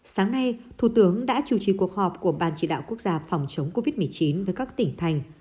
sáng nay thủ tướng đã chủ trì cuộc họp của ban chỉ đạo quốc gia phòng chống covid một mươi chín với các tỉnh thành